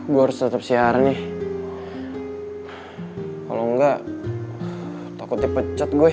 gue harus tetep siaran nih kalau enggak takut dipencet gue